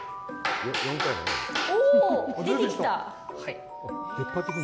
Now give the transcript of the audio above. おぉ、出てきた！